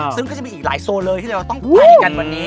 ซึ่งก็จะมีอีกหลายโซนเลยที่เราต้องไปกันวันนี้